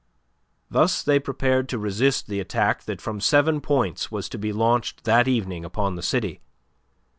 Thus they prepared to resist the attack that from seven points was to be launched that evening upon the city.